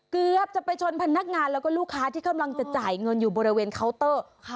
เกือบจะไปชนพนักงานแล้วก็ลูกค้าที่กำลังจะจ่ายเงินอยู่บริเวณเคาน์เตอร์